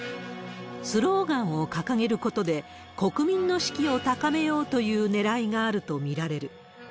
スローガンを掲げることで、国民の士気を高めようというねらいがあると見られる。